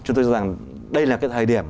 chúng tôi rằng đây là cái thời điểm